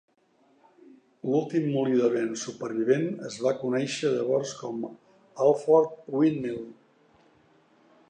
L"últim moli de vent supervivent es va conèixer llavors com "Alford Windmill".